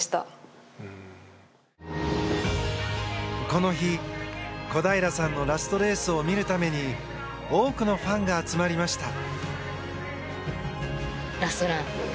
この日、小平さんのラストレースを見るために多くのファンが集まりました。